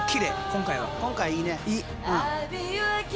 今回はいいね。